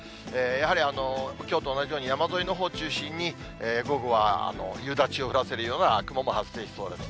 やはりきょうと同じように、山沿いのほう中心に、午後は夕立を降らせるような雲も発生しそうです。